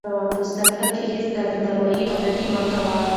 په زده کړه کې هېڅکله بې پروایي او لټي مه کوئ.